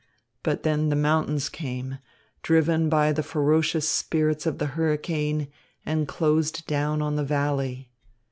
But then the mountains came, driven by the ferocious spirits of the hurricane, and closed down on the valley.